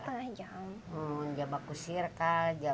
saya harus bekerja saya harus bekerja